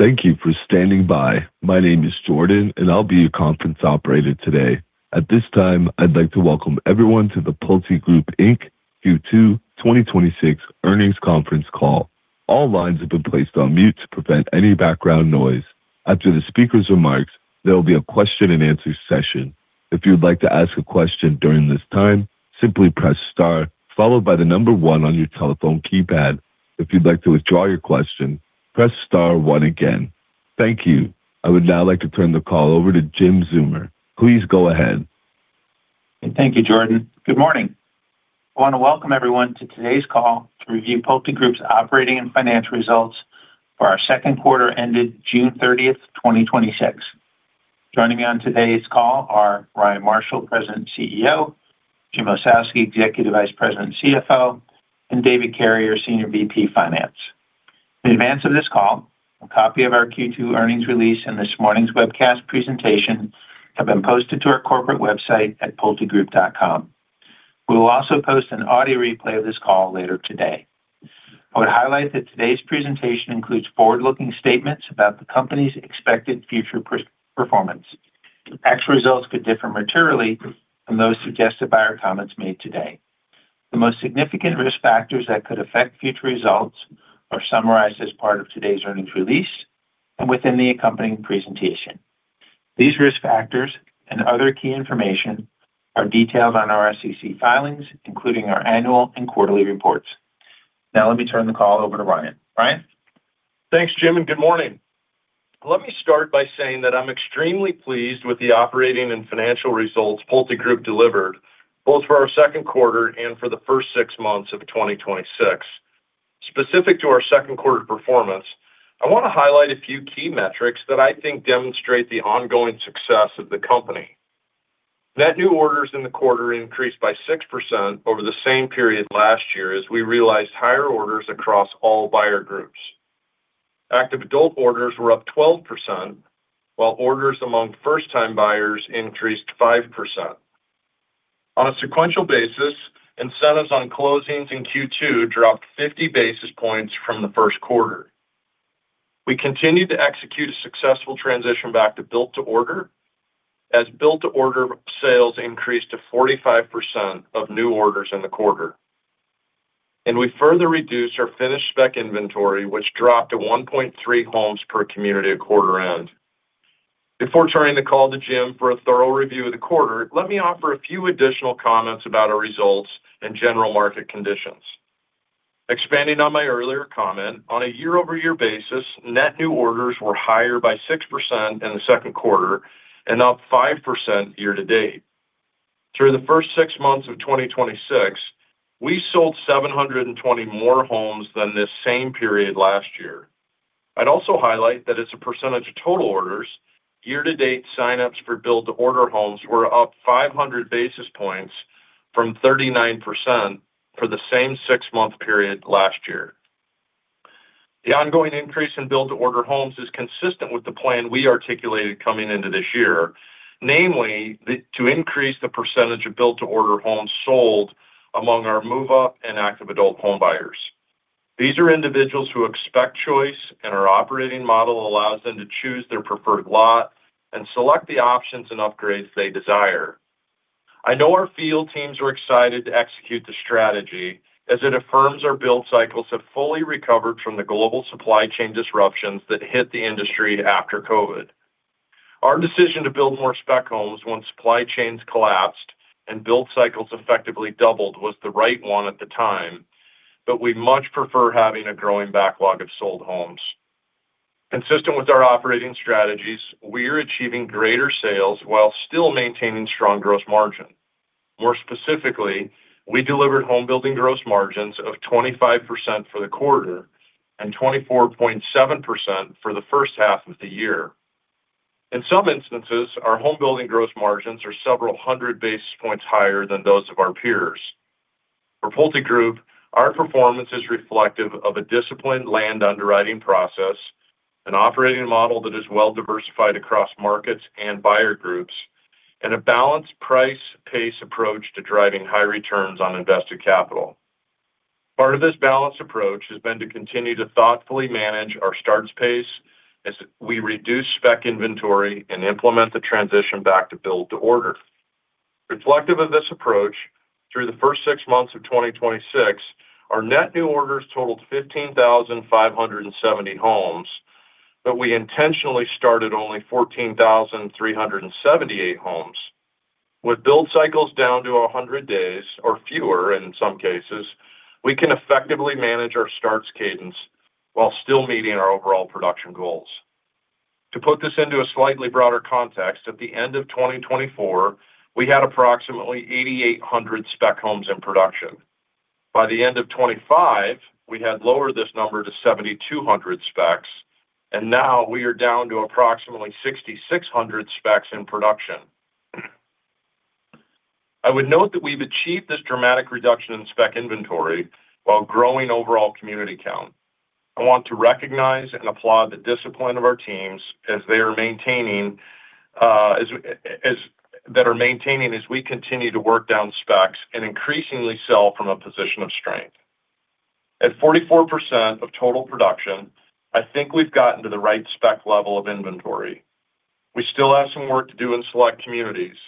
Thank you for standing by. My name is Jordan, and I'll be your conference operator today. At this time, I'd like to welcome everyone to the PulteGroup Inc. Q2 2026 Earnings Conference Call. All lines have been placed on mute to prevent any background noise. After the speakers' remarks, there will be a question and answer session. If you'd like to ask a question during this time, simply press star, followed by the number one on your telephone keypad. If you'd like to withdraw your question, press star one again. Thank you. I would now like to turn the call over to Jim Zeumer. Please go ahead. Thank you, Jordan. Good morning. I want to welcome everyone to today's call to review PulteGroup's operating and financial results for our second quarter ended June 30, 2026. Joining me on today's call are Ryan Marshall, President and CEO, Jim Ossowski, Executive Vice President and CFO, and David Carrier, Senior VP, Finance. In advance of this call, a copy of our Q2 earnings release and this morning's webcast presentation have been posted to our corporate website at pultegroup.com. We will also post an audio replay of this call later today. I would highlight that today's presentation includes forward-looking statements about the company's expected future performance. Actual results could differ materially from those suggested by our comments made today. The most significant risk factors that could affect future results are summarized as part of today's earnings release and within the accompanying presentation. These risk factors and other key information are detailed on our SEC filings, including our annual and quarterly reports. Let me turn the call over to Ryan. Ryan? Thanks, Jim. Good morning. Let me start by saying that I'm extremely pleased with the operating and financial results PulteGroup delivered both for our second quarter and for the first six months of 2026. Specific to our second quarter performance, I want to highlight a few key metrics that I think demonstrate the ongoing success of the company. Net new orders in the quarter increased by 6% over the same period last year, as we realized higher orders across all buyer groups. Active adult orders were up 12%, while orders among first-time buyers increased 5%. On a sequential basis, incentives on closings in Q2 dropped 50 basis points from the first quarter. We continued to execute a successful transition back to build-to-order, as build-to-order sales increased to 45% of new orders in the quarter. We further reduced our finished spec inventory, which dropped to 1.3 homes per community at quarter end. Before turning the call to Jim for a thorough review of the quarter, let me offer a few additional comments about our results and general market conditions. Expanding on my earlier comment, on a year-over-year basis, net new orders were higher by 6% in the second quarter and up 5% year to date. Through the first six months of 2026, we sold 720 more homes than this same period last year. I'd also highlight that as a percentage of total orders, year to date sign-ups for build-to-order homes were up 500 basis points from 39% for the same six-month period last year. The ongoing increase in build-to-order homes is consistent with the plan we articulated coming into this year, namely, to increase the percentage of build-to-order homes sold among our move-up and active adult home buyers. These are individuals who expect choice, and our operating model allows them to choose their preferred lot and select the options and upgrades they desire. I know our field teams are excited to execute the strategy, as it affirms our build cycles have fully recovered from the global supply chain disruptions that hit the industry after COVID. Our decision to build more spec homes once supply chains collapsed and build cycles effectively doubled was the right one at the time, but we much prefer having a growing backlog of sold homes. Consistent with our operating strategies, we are achieving greater sales while still maintaining strong gross margin. More specifically, we delivered home building gross margins of 25% for the quarter and 24.7% for the first half of the year. In some instances, our home building gross margins are several hundred basis points higher than those of our peers. For PulteGroup, our performance is reflective of a disciplined land underwriting process, an operating model that is well diversified across markets and buyer groups, and a balanced price pace approach to driving high returns on invested capital. Part of this balanced approach has been to continue to thoughtfully manage our starts pace as we reduce spec inventory and implement the transition back to build-to-order. Reflective of this approach, through the first six months of 2026, our net new orders totaled 15,570 homes, we intentionally started only 14,378 homes. With build cycles down to 100 days or fewer in some cases, we can effectively manage our starts cadence while still meeting our overall production goals. To put this into a slightly broader context, at the end of 2024, we had approximately 8,800 spec homes in production. By the end of 2025, we had lowered this number to 7,200 specs, and now we are down to approximately 6,600 specs in production. I would note that we've achieved this dramatic reduction in spec inventory while growing overall community count. I want to recognize and applaud the discipline of our teams as they are maintaining as we continue to work down specs and increasingly sell from a position of strength. At 44% of total production, I think we've gotten to the right spec level of inventory. We still have some work to do in select communities,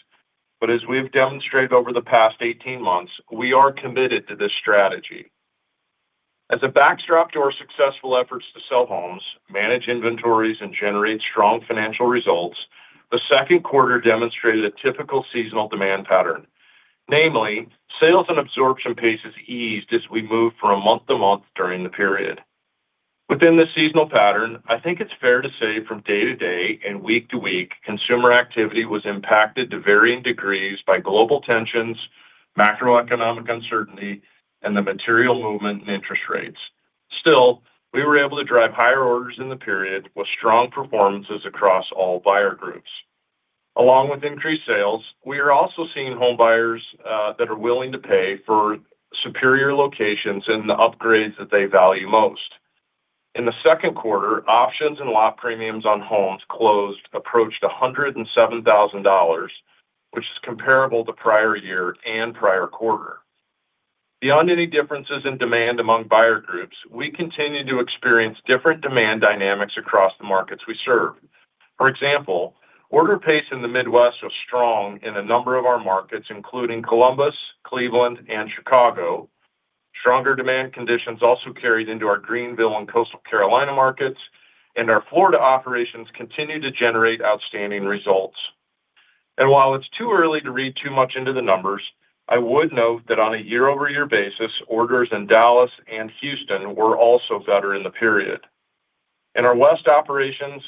but as we've demonstrated over the past 18 months, we are committed to this strategy. As a backdrop to our successful efforts to sell homes, manage inventories, and generate strong financial results, the second quarter demonstrated a typical seasonal demand pattern. Namely, sales and absorption paces eased as we moved from month to month during the period. Within the seasonal pattern, I think it's fair to say from day to day and week to week, consumer activity was impacted to varying degrees by global tensions, macroeconomic uncertainty, and the material movement in interest rates. We were able to drive higher orders in the period with strong performances across all buyer groups. Along with increased sales, we are also seeing home buyers that are willing to pay for superior locations and the upgrades that they value most. In the second quarter, options and lot premiums on homes closed approached $107,000, which is comparable to prior year and prior quarter. Beyond any differences in demand among buyer groups, we continue to experience different demand dynamics across the markets we serve. For example, order pace in the Midwest was strong in a number of our markets, including Columbus, Cleveland, and Chicago. Stronger demand conditions also carried into our Greenville and Coastal Carolina markets. Our Florida operations continue to generate outstanding results. While it's too early to read too much into the numbers, I would note that on a year-over-year basis, orders in Dallas and Houston were also better in the period. In our west operations,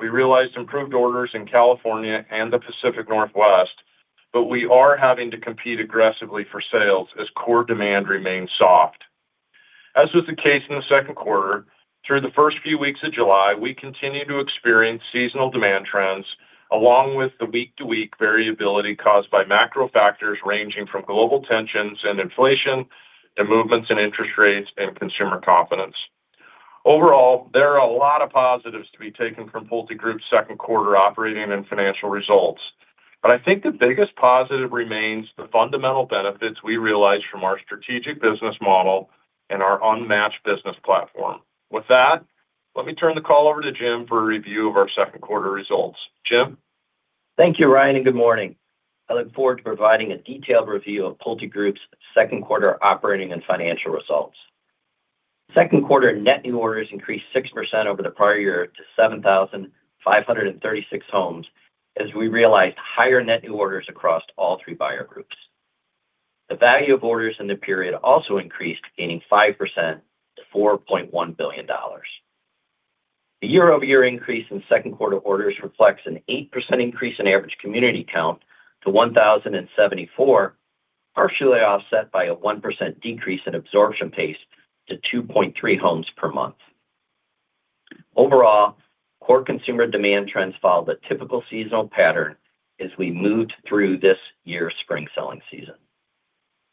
we realized improved orders in California and the Pacific Northwest. We are having to compete aggressively for sales as core demand remains soft. As was the case in the second quarter, through the first few weeks of July, we continue to experience seasonal demand trends, along with the week-to-week variability caused by macro factors ranging from global tensions and inflation, to movements in interest rates and consumer confidence. Overall, there are a lot of positives to be taken from PulteGroup's second quarter operating and financial results. I think the biggest positive remains the fundamental benefits we realize from our strategic business model and our unmatched business platform. With that, let me turn the call over to Jim for a review of our second quarter results. Jim? Thank you, Ryan. Good morning. I look forward to providing a detailed review of PulteGroup's second quarter operating and financial results. Second quarter net new orders increased 6% over the prior year to 7,536 homes, as we realized higher net new orders across all three buyer groups. The value of orders in the period also increased, gaining 5% to $4.1 billion. The year-over-year increase in second quarter orders reflects an 8% increase in average community count to 1,074, partially offset by a 1% decrease in absorption pace to 2.3 homes per month. Overall, core consumer demand trends followed a typical seasonal pattern as we moved through this year's spring selling season.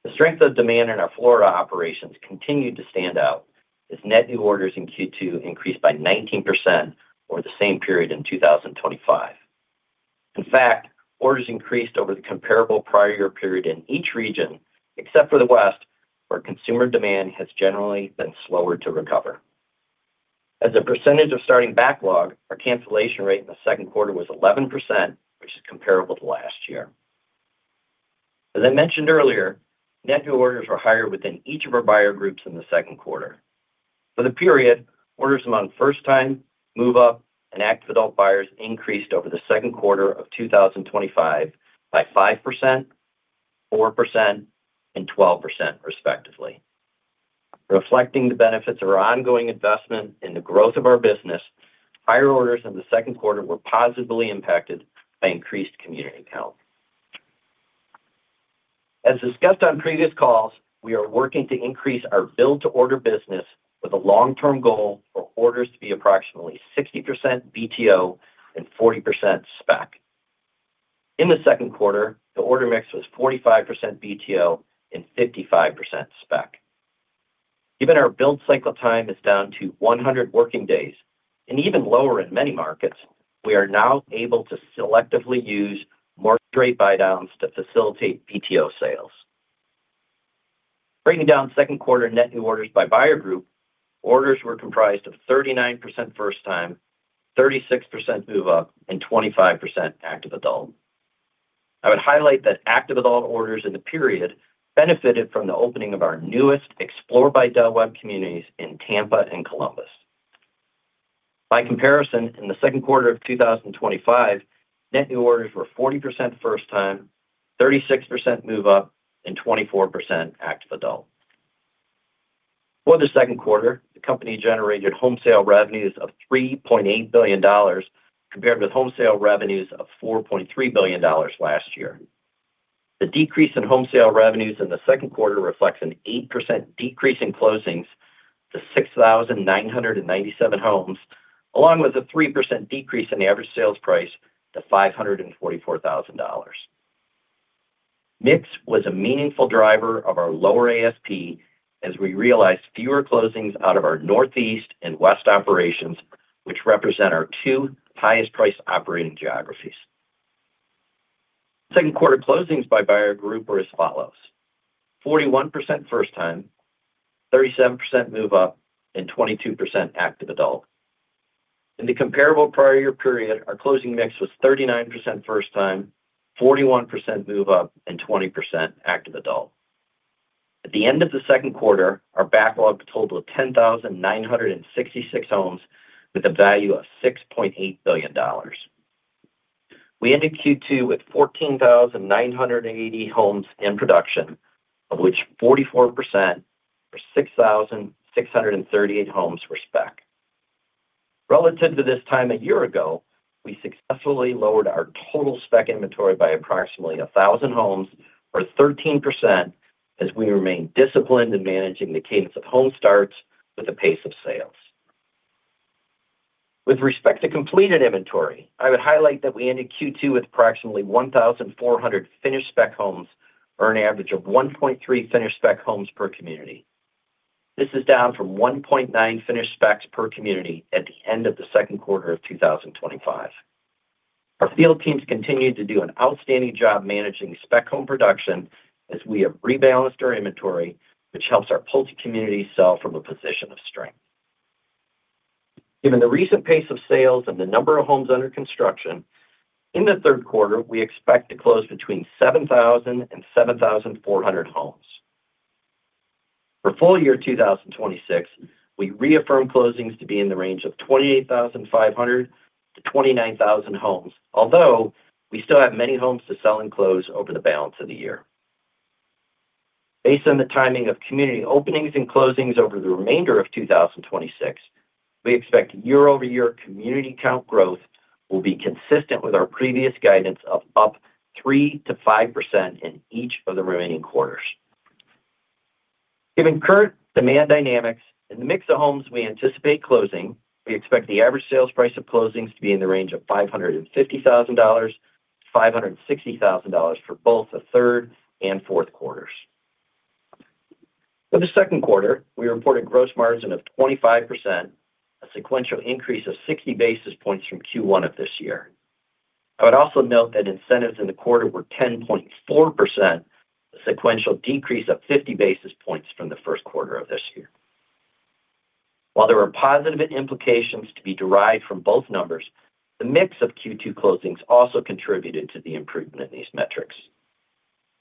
The strength of demand in our Florida operations continued to stand out as net new orders in Q2 increased by 19% over the same period in 2025. In fact, orders increased over the comparable prior year period in each region, except for the West, where consumer demand has generally been slower to recover. As a percentage of starting backlog, our cancellation rate in the second quarter was 11%, which is comparable to last year. As I mentioned earlier, net new orders were higher within each of our buyer groups in the second quarter. For the period, orders among first-time, move-up, and active adult buyers increased over the second quarter of 2025 by 5%, 4%, and 12%, respectively. Reflecting the benefits of our ongoing investment in the growth of our business, higher orders in the second quarter were positively impacted by increased community count. As discussed on previous calls, we are working to increase our build-to-order business with a long-term goal for orders to be approximately 60% BTO and 40% spec. In the second quarter, the order mix was 45% BTO and 55% spec. Given our build cycle time is down to 100 working days, and even lower in many markets, we are now able to selectively use market rate buydowns to facilitate BTO sales. Breaking down second quarter net new orders by buyer group, orders were comprised of 39% first-time, 36% move-up, and 25% active adult. I would highlight that active adult orders in the period benefited from the opening of our newest Explore by Del Webb communities in Tampa and Columbus. By comparison, in the second quarter of 2025, net new orders were 40% first-time, 36% move-up, and 24% active adult. For the second quarter, the company generated home sale revenues of $3.8 billion, compared with home sale revenues of $4.3 billion last year. The decrease in home sale revenues in the second quarter reflects an 8% decrease in closings to 6,997 homes, along with a 3% decrease in the average sales price to $544,000. Mix was a meaningful driver of our lower ASP as we realized fewer closings out of our Northeast and West operations, which represent our two highest priced operating geographies. Second quarter closings by buyer group were as follows: 41% first-time, 37% move-up, and 22% active adult. In the comparable prior year period, our closing mix was 39% first-time, 41% move-up, and 20% active adult. At the end of the second quarter, our backlog totaled 10,966 homes with a value of $6.8 billion. We ended Q2 with 14,980 homes in production, of which 44%, or 6,638 homes, were spec. Relative to this time a year ago, we successfully lowered our total spec inventory by approximately 1,000 homes, or 13%, as we remain disciplined in managing the cadence of home starts with the pace of sales. With respect to completed inventory, I would highlight that we ended Q2 with approximately 1,400 finished spec homes or an average of 1.3 finished spec homes per community. This is down from 1.9 finished specs per community at the end of the second quarter of 2025. Our field teams continue to do an outstanding job managing spec home production as we have rebalanced our inventory, which helps our Pulte community sell from a position of strength. Given the recent pace of sales and the number of homes under construction, in the third quarter, we expect to close between 7,000 and 7,400 homes. For full year 2026, we reaffirm closings to be in the range of 28,500-29,000 homes, although we still have many homes to sell and close over the balance of the year. Based on the timing of community openings and closings over the remainder of 2026, we expect year-over-year community count growth will be consistent with our previous guidance of up 3%-5% in each of the remaining quarters. Given current demand dynamics and the mix of homes we anticipate closing, we expect the average sales price of closings to be in the range of $550,000-$560,000 for both the third and fourth quarters. For the second quarter, we reported gross margin of 25%, a sequential increase of 60 basis points from Q1 of this year. I would also note that incentives in the quarter were 10.4%, a sequential decrease of 50 basis points from the first quarter of this year. While there are positive implications to be derived from both numbers, the mix of Q2 closings also contributed to the improvement in these metrics.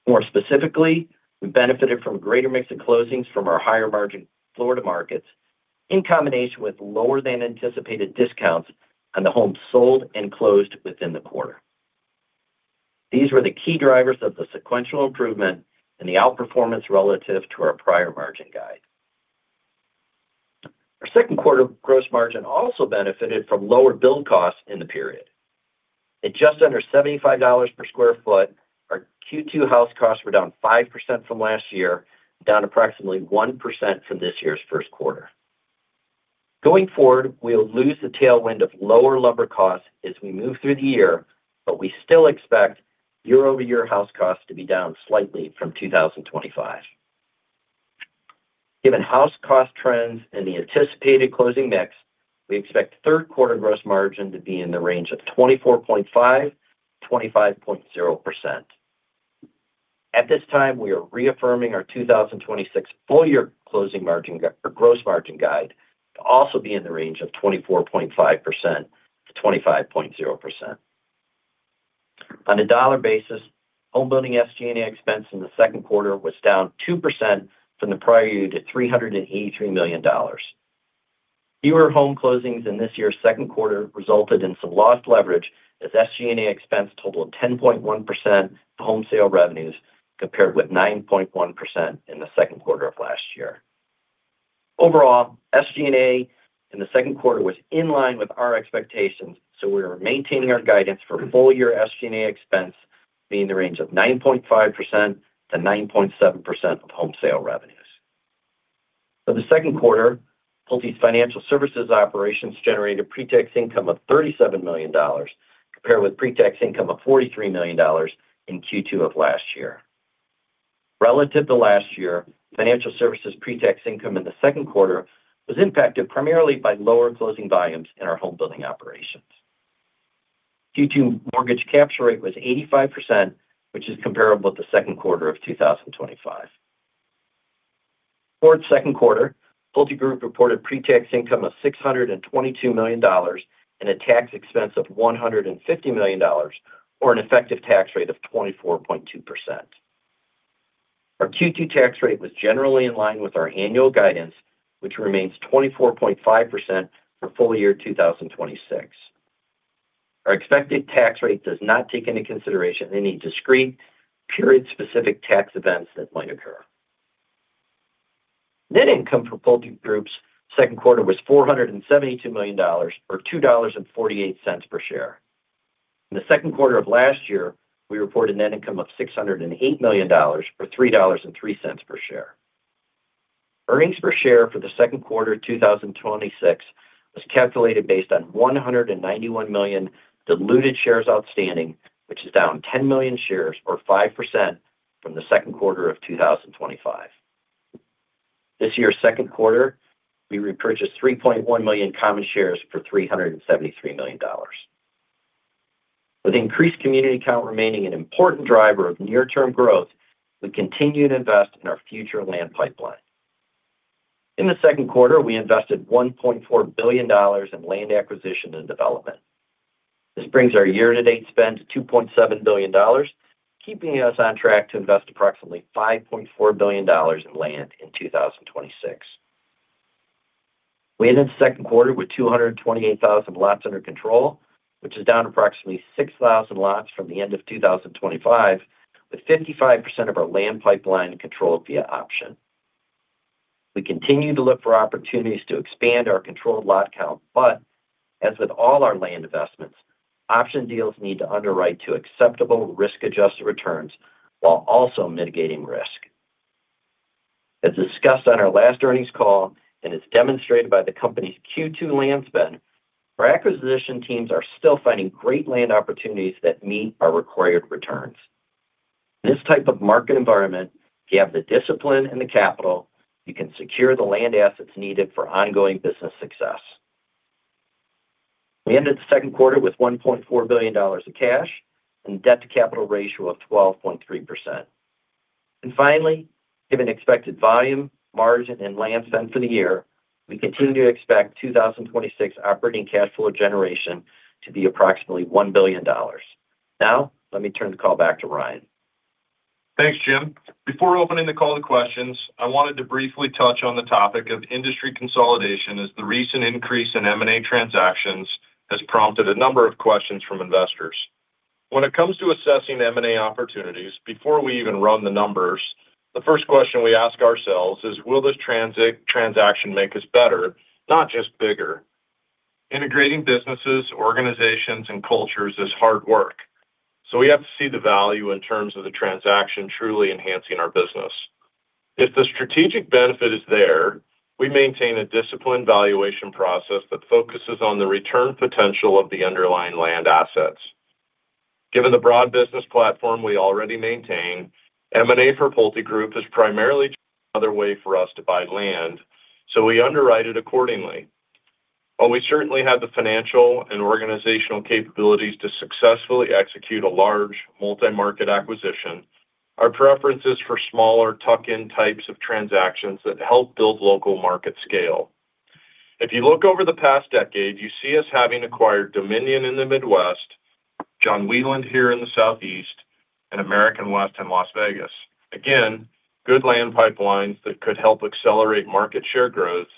More specifically, we benefited from greater mix of closings from our higher margin Florida markets in combination with lower than anticipated discounts on the homes sold and closed within the quarter. These were the key drivers of the sequential improvement and the outperformance relative to our prior margin guide. Our second quarter gross margin also benefited from lower build costs in the period. At just under $75/sq ft, our Q2 house costs were down 5% from last year, down approximately 1% from this year's first quarter. Going forward, we'll lose the tailwind of lower lumber costs as we move through the year, but we still expect year-over-year house costs to be down slightly from 2025. Given house cost trends and the anticipated closing mix, we expect third quarter gross margin to be in the range of 24.5%-25.0%. At this time, we are reaffirming our 2026 full year closing gross margin guide to also be in the range of 24.5%-25.0%. On a dollar basis, homebuilding SG&A expense in the second quarter was down 2% from the prior year to $383 million. Fewer home closings in this year's second quarter resulted in some lost leverage as SG&A expense totaled 10.1% to home sale revenues, compared with 9.1% in the second quarter of last year. Overall, SG&A in the second quarter was in line with our expectations. We are maintaining our guidance for full year SG&A expense be in the range of 9.5%-9.7% of home sale revenues. For the second quarter, Pulte's financial services operations generated a pretax income of $37 million, compared with pretax income of $43 million in Q2 of last year. Relative to last year, financial services pretax income in the second quarter was impacted primarily by lower closing volumes in our homebuilding operations. Q2 mortgage capture rate was 85%, which is comparable to the second quarter of 2025. For its second quarter, PulteGroup reported pretax income of $622 million and a tax expense of $150 million, or an effective tax rate of 24.2%. Our Q2 tax rate was generally in line with our annual guidance, which remains 24.5% for full year 2026. Our expected tax rate does not take into consideration any discrete, period-specific tax events that might occur. Net income for PulteGroup's second quarter was $472 million, or $2.48 per share. In the second quarter of last year, we reported net income of $608 million, or $3.03 per share. Earnings per share for the second quarter of 2026 was calculated based on 191 million diluted shares outstanding, which is down 10 million shares, or 5%, from the second quarter of 2025. This year's second quarter, we repurchased 3.1 million common shares for $373 million. With increased community count remaining an important driver of near-term growth, we continue to invest in our future land pipeline. In the second quarter, we invested $1.4 billion in land acquisition and development. This brings our year-to-date spend to $2.7 billion, keeping us on track to invest approximately $5.4 billion in land in 2026. We ended the second quarter with 228,000 lots under control, which is down approximately 6,000 lots from the end of 2025, with 55% of our land pipeline controlled via option. We continue to look for opportunities to expand our controlled lot count, but as with all our land investments, option deals need to underwrite to acceptable risk-adjusted returns while also mitigating risk. As discussed on our last earnings call, and as demonstrated by the company's Q2 land spend, our acquisition teams are still finding great land opportunities that meet our required returns. In this type of market environment, if you have the discipline and the capital, you can secure the land assets needed for ongoing business success. We ended the second quarter with $1.4 billion in cash and a debt-to-capital ratio of 12.3%. And finally, given expected volume, margin, and land spend for the year, we continue to expect 2026 operating cash flow generation to be approximately $1 billion. Now, let me turn the call back to Ryan. Thanks, Jim. Before opening the call to questions, I wanted to briefly touch on the topic of industry consolidation as the recent increase in M&A transactions has prompted a number of questions from investors. When it comes to assessing M&A opportunities, before we even run the numbers, the first question we ask ourselves is, "Will this transaction make us better, not just bigger?" Integrating businesses, organizations, and cultures is hard work, so we have to see the value in terms of the transaction truly enhancing our business. If the strategic benefit is there, we maintain a disciplined valuation process that focuses on the return potential of the underlying land assets. Given the broad business platform we already maintain, M&A for PulteGroup is primarily another way for us to buy land, so we underwrite it accordingly. While we certainly have the financial and organizational capabilities to successfully execute a large multi-market acquisition, our preference is for smaller tuck-in types of transactions that help build local market scale. If you look over the past decade, you see us having acquired Dominion in the Midwest, John Wieland here in the Southeast, and American West in Las Vegas. Again, good land pipelines that could help accelerate market share growth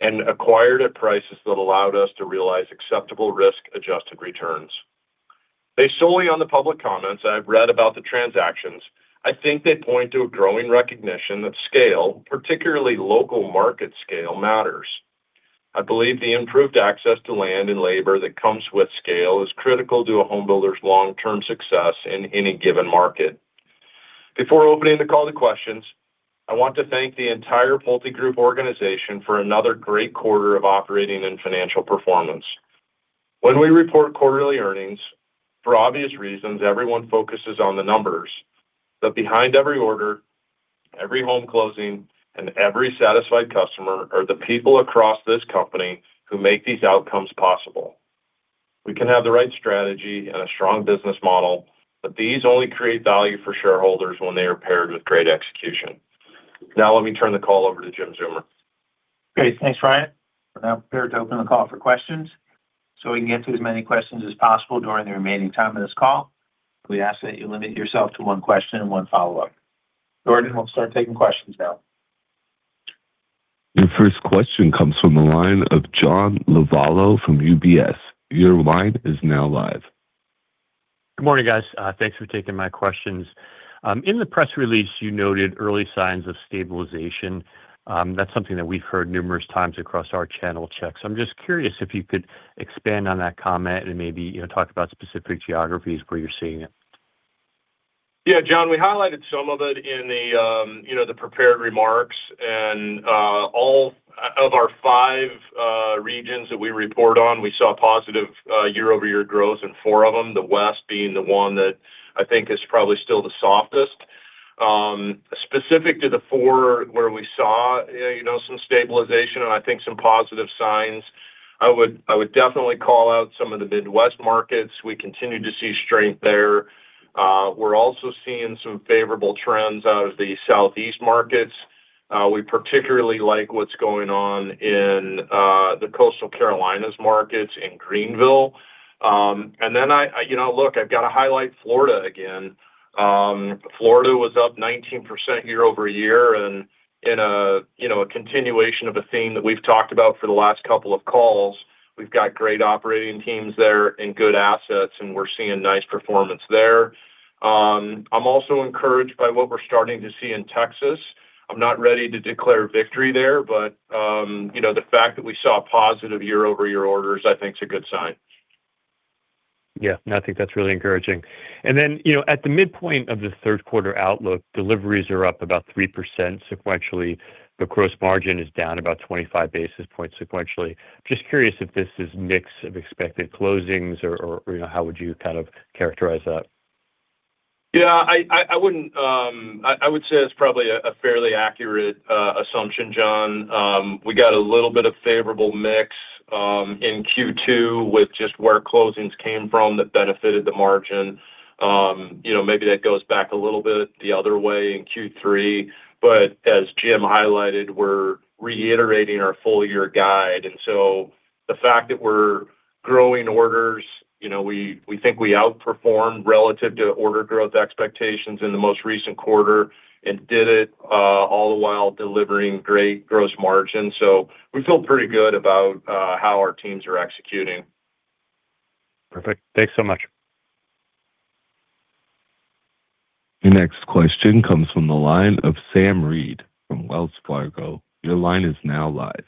and acquired at prices that allowed us to realize acceptable risk-adjusted returns. Based solely on the public comments I've read about the transactions, I think they point to a growing recognition that scale, particularly local market scale, matters. I believe the improved access to land and labor that comes with scale is critical to a home builder's long-term success in any given market. Before opening the call to questions, I want to thank the entire PulteGroup organization for another great quarter of operating and financial performance. When we report quarterly earnings, for obvious reasons, everyone focuses on the numbers, but behind every order, every home closing, and every satisfied customer are the people across this company who make these outcomes possible. We can have the right strategy and a strong business model, but these only create value for shareholders when they are paired with great execution. Let me turn the call over to Jim Zeumer. Great. Thanks, Ryan. We're now prepared to open the call for questions. We can get to as many questions as possible during the remaining time of this call, we ask that you limit yourself to one question and one follow-up. Jordan, we'll start taking questions now. Your first question comes from the line of John Lovallo from UBS. Your line is now live. Good morning, guys. Thanks for taking my questions. In the press release, you noted early signs of stabilization. That's something that we've heard numerous times across our channel checks. I'm just curious if you could expand on that comment and maybe talk about specific geographies where you're seeing it? Yeah, John, we highlighted some of it in the prepared remarks. All of our five regions that we report on, we saw positive year-over-year growth in four of them, the West being the one that I think is probably still the softest. Specific to the four where we saw some stabilization and I think some positive signs, I would definitely call out some of the Midwest markets. We continue to see strength there. We're also seeing some favorable trends out of the Southeast markets. We particularly like what's going on in the coastal Carolinas markets in Greenville. Then look, I've got to highlight Florida again. Florida was up 19% year-over-year in a continuation of a theme that we've talked about for the last couple of calls, we've got great operating teams there and good assets, and we're seeing nice performance there. I'm also encouraged by what we're starting to see in Texas. I'm not ready to declare victory there, the fact that we saw positive year-over-year orders I think is a good sign. Yeah, no, I think that's really encouraging. Then, at the midpoint of the third quarter outlook, deliveries are up about 3% sequentially. The gross margin is down about 25 basis points sequentially. Just curious if this is mix of expected closings or how would you characterize that? I would say it's probably a fairly accurate assumption, John. We got a little bit of favorable mix in Q2 with just where closings came from that benefited the margin. Maybe that goes back a little bit the other way in Q3, but as Jim highlighted, we're reiterating our full year guide. The fact that we're growing orders, we think we outperformed relative to order growth expectations in the most recent quarter and did it all while delivering great gross margin. We feel pretty good about how our teams are executing. Perfect. Thanks so much. The next question comes from the line of Sam Reid from Wells Fargo. Your line is now live.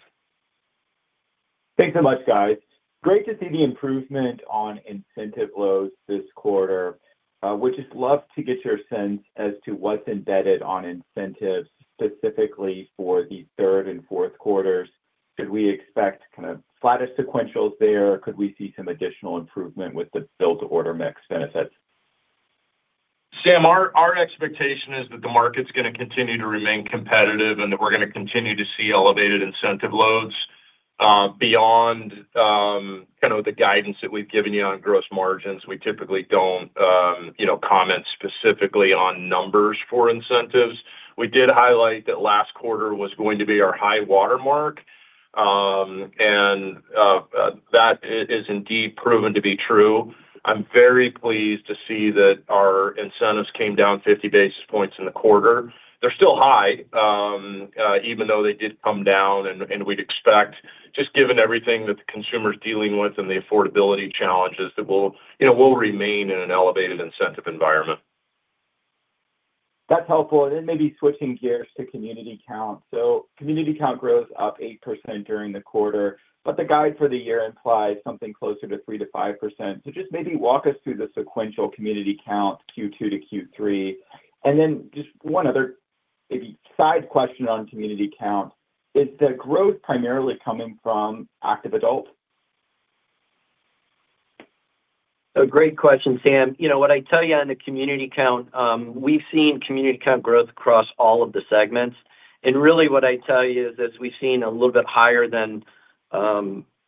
Thanks so much, guys. Great to see the improvement on incentive loads this quarter. Would just love to get your sense as to what's embedded on incentives specifically for the third and fourth quarters. Should we expect flattest sequentials there, or could we see some additional improvement with the build-to-order mix benefits? Sam, our expectation is that the market's going to continue to remain competitive, and that we're going to continue to see elevated incentive loads. Beyond the guidance that we've given you on gross margins, we typically don't comment specifically on numbers for incentives. We did highlight that last quarter was going to be our high watermark, and that is indeed proven to be true. I'm very pleased to see that our incentives came down 50 basis points in the quarter. They're still high, even though they did come down. We'd expect, just given everything that the consumer's dealing with and the affordability challenges, that we'll remain in an elevated incentive environment. That's helpful. Then maybe switching gears to community count. Community count growth up 8% during the quarter, but the guide for the year implies something closer to 3%-5%. Just maybe walk us through the sequential community count, Q2 to Q3. Then just one other maybe side question on community count. Is the growth primarily coming from active adult? A great question, Sam. What I tell you on the community count, we've seen community count growth across all of the segments. Really what I tell you is, we've seen a little bit higher than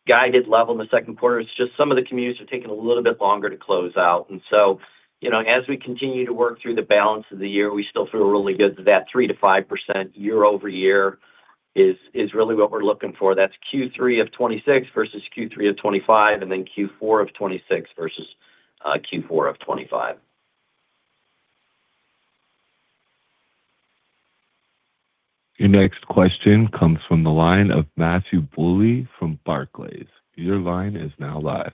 guided level in the second quarter. It's just some of the communities are taking a little bit longer to close out. As we continue to work through the balance of the year, we still feel really good that that 3%-5% year-over-year is really what we're looking for. That's Q3 of 2026 versus Q3 of 2025, then Q4 of 2026 versus Q4 of 2025. Your next question comes from the line of Matthew Bouley from Barclays. Your line is now live.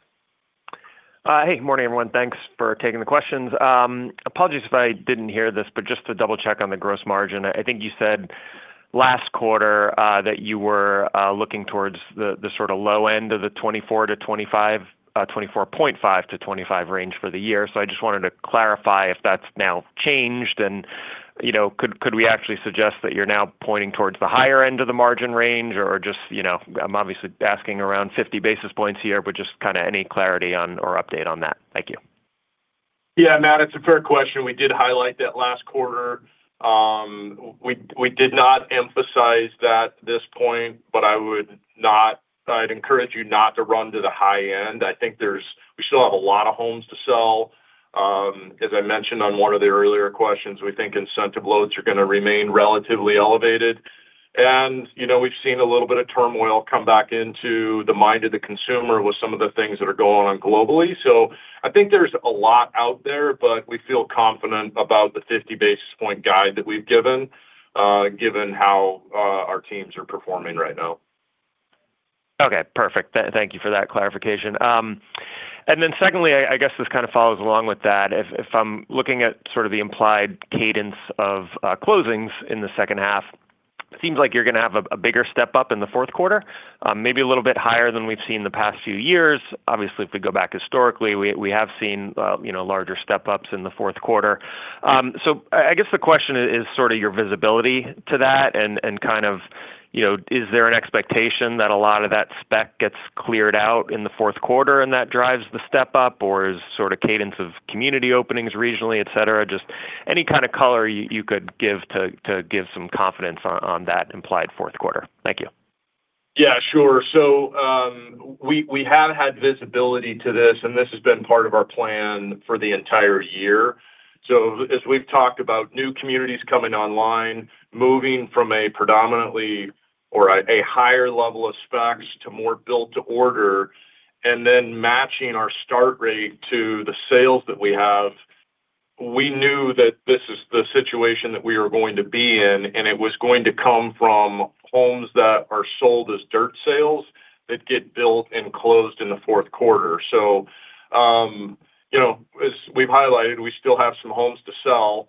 Good morning, everyone. Thanks for taking the questions. Apologies if I didn't hear this, but just to double-check on the gross margin. I think you said last quarter that you were looking towards the low end of the 24.5%-25% range for the year. I just wanted to clarify if that's now changed and could we actually suggest that you're now pointing towards the higher end of the margin range or I'm obviously asking around 50 basis points here, but just any clarity on or update on that. Thank you. Yeah, Matt, it's a fair question. We did highlight that last quarter. We did not emphasize that this point, but I'd encourage you not to run to the high end. I think we still have a lot of homes to sell. As I mentioned on one of the earlier questions, we think incentive loads are going to remain relatively elevated. We've seen a little bit of turmoil come back into the mind of the consumer with some of the things that are going on globally. I think there's a lot out there, but we feel confident about the 50 basis point guide that we've given how our teams are performing right now. Okay, perfect. Thank you for that clarification. Secondly, I guess this kind of follows along with that. If I'm looking at sort of the implied cadence of closings in the second half, it seems like you're going to have a bigger step-up in the fourth quarter. Maybe a little bit higher than we've seen the past few years. Obviously, if we go back historically, we have seen larger step-ups in the fourth quarter. I guess the question is sort of your visibility to that and is there an expectation that a lot of that spec gets cleared out in the fourth quarter and that drives the step-up, or is sort of cadence of community openings regionally, et cetera? Just any kind of color you could give to give some confidence on that implied fourth quarter. Thank you. Yeah, sure. We have had visibility to this, and this has been part of our plan for the entire year. As we've talked about new communities coming online, moving from a predominantly or a higher level of specs to more build-to-order, and then matching our start rate to the sales that we have. We knew that this is the situation that we were going to be in, and it was going to come from homes that are sold as dirt sales that get built and closed in the fourth quarter. As we've highlighted, we still have some homes to sell.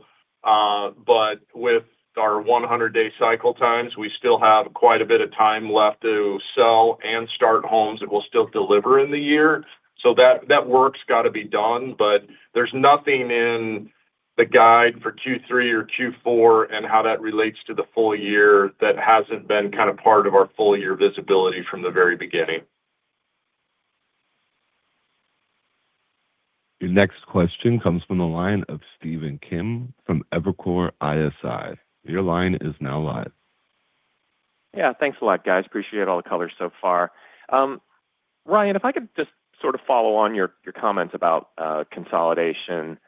With our 100-day cycle times, we still have quite a bit of time left to sell and start homes that will still deliver in the year. That work's got to be done, but there's nothing in the guide for Q3 or Q4 and how that relates to the full year that hasn't been part of our full-year visibility from the very beginning. Your next question comes from the line of Stephen Kim from Evercore ISI. Your line is now live. Thanks a lot, guys. Appreciate all the color so far. Ryan, if I could just sort of follow on your comments about consolidation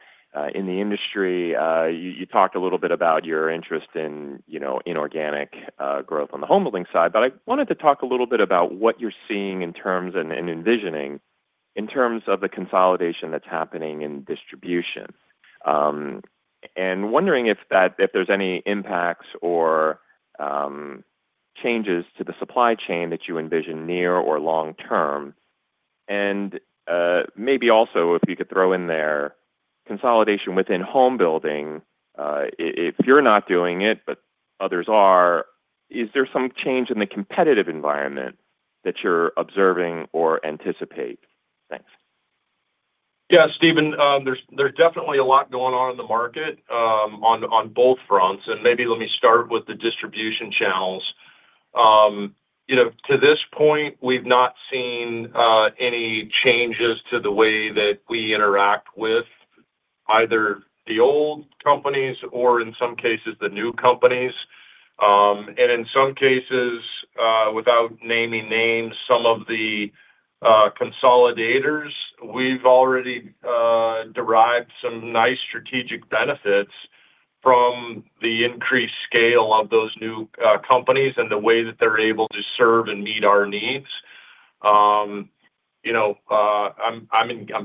in the industry. You talked a little bit about your interest in organic growth on the homebuilding side, but I wanted to talk a little bit about what you're seeing in terms and envisioning in terms of the consolidation that's happening in distribution. And wondering if there's any impacts or changes to the supply chain that you envision near or long-term, and maybe also if you could throw in there consolidation within homebuilding. If you're not doing it but others are, is there some change in the competitive environment that you're observing or anticipate? Thanks. Stephen. There's definitely a lot going on in the market on both fronts, and maybe let me start with the distribution channels. To this point, we've not seen any changes to the way that we interact with either the old companies or in some cases the new companies. In some cases, without naming names, some of the consolidators, we've already derived some nice strategic benefits from the increased scale of those new companies and the way that they're able to serve and meet our needs. I'm